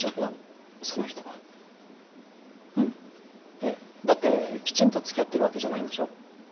えっだってきちんと付き合ってるわけじゃないんでしょ？